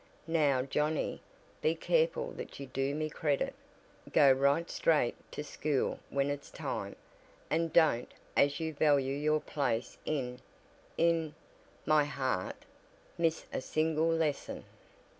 Now Johnnie, be careful that you do me credit go right straight to school when it's time, and don't, as you value your place in in my heart, miss a single lesson!"